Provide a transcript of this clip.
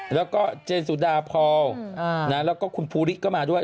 แล้วก็เจนสุดาพอลแล้วก็คุณภูริก็มาด้วย